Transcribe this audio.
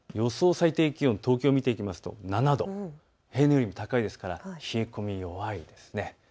最低気温、東京を見ますと７度、平年より高いですから冷え込みがない。